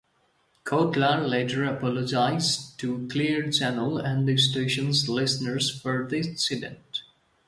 Cotlar later apologized to Clear Channel and the station's listeners for the incident.